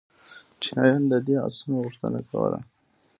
چینایانو د دې آسونو غوښتنه کوله